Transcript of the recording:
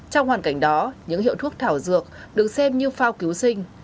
trong hoàn cảnh đó những hiệu thuốc thảo dược được xem như phao cứu sinh